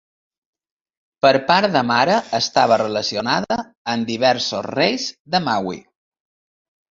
Per part de mare estava relacionada amb diversos reis de Maui.